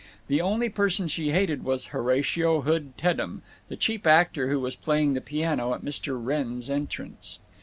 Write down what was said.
The only person she hated was Horatio Hood Teddem, the cheap actor who was playing the piano at Mr. Wrenn's entrance.